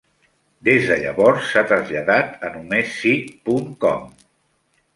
Des de llavors s'ha traslladat a només si punt com.